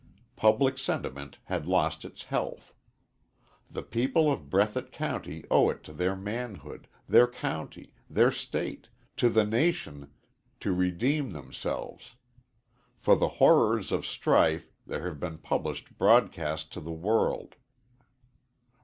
Public sentiment had lost its health. The people of Breathitt County owe it to their manhood, their county, their state, to the nation, to redeem themselves. For the horrors of strife there have been published broadcast to the world.